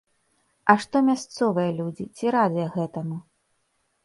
А што мясцовыя людзі, ці радыя гэтаму?